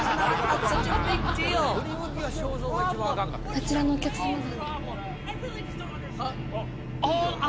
あちらのお客様が。